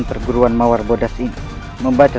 jaga dewa batara